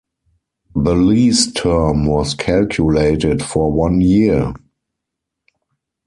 The lease term was calculated for one year.